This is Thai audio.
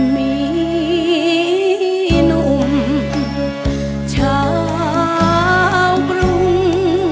มีหนุ่มชาวกรุง